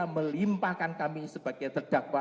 melimpahkan kami sebagai terdakwa